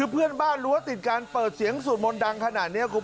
เพื่อนบ้านรั้วติดการเปิดเสียงสวดมนต์ดังขนาดนี้